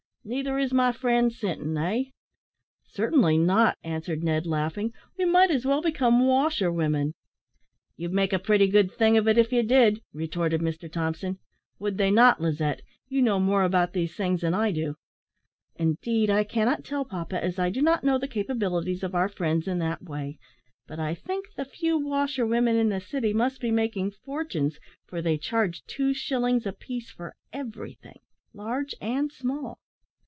Neither is my friend Sinton, eh?" "Certainly not," answered Ned, laughing: "we might as well become washerwomen." "You'd make a pretty good thing of it if you did," retorted Mr Thompson; "would they not, Lizette? you know more about these things than I do." "Indeed, I cannot tell, papa, as I do not know the capabilities of our friends in that way; but I think the few washerwomen in the city must be making fortunes, for they charge two shillings a piece for everything, large and small."